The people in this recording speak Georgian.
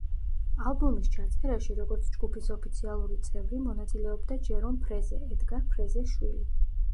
ალბომის ჩაწერაში, როგორც ჯგუფის ოფიციალური წევრი, მონაწილეობდა ჯერომ ფრეზე, ედგარ ფრეზეს შვილი.